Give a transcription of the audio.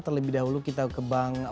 terlebih dahulu kita ke bang